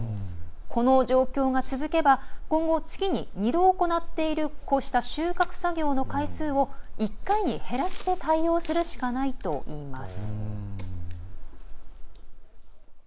この状況が続けば、今後月に２度行っているこうした収穫作業の回数を１回に減らして対応するしかないといいます。